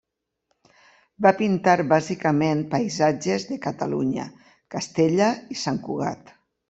Va pintar bàsicament paisatges de Catalunya, Castella i Sant Cugat.